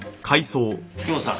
月本さん。